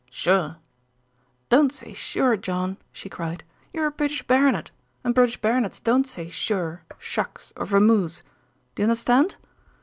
"Sure!" "Don't say 'sure,' John," she cried. "You're a British baronet, and British baronets don't say 'sure,' 'shucks' or vamoose.' Do you understand?"